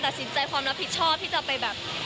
ตัดสินใจความรับผิดชอบที่จะไปแบบ